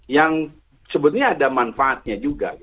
yang sebetulnya ada manfaatnya juga